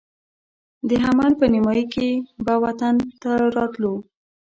د حمل په نیمایي کې به خپل وطن ته راتلو.